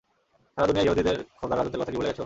সারা দুনিয়ার ইহুদীদের খোদার রাজত্বের কথা কি ভুলে গেছ?